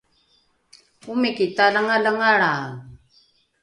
omiki talangalangalrae